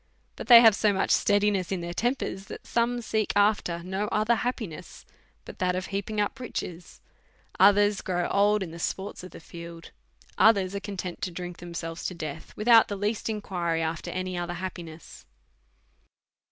But they have so much steadiness in their tempers, that some seek after no other happiness but that of heaping up riches ; others grow old in the sports of the field ; others are content to drink themselves to death_, with out the least inquiry after any other happiness.